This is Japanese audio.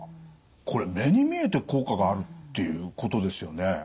これ目に見えて効果があるっていうことですよね。